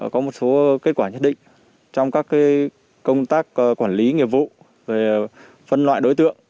có một số kết quả nhất định trong các công tác quản lý nghiệp vụ về phân loại đối tượng